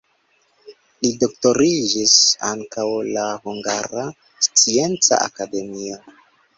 Li doktoriĝis antaŭ la Hungara Scienca Akademio.